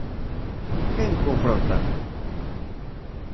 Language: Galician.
¿Quen confronta?